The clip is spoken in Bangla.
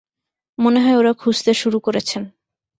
মনে হয় ওঁরা খুঁজতে শুরু করেছেন।